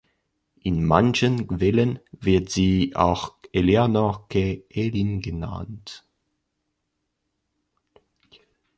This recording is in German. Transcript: In manchen Quellen wird sie auch Eleanor Kay Helin genannt.